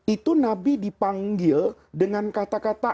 itu nabi dipanggil dengan kata kata